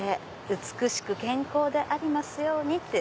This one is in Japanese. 「美しく健康でありますように」。